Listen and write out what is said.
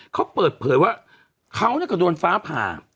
เขาเปิดเผยว่าเขาก็โดนฟ้าผ่า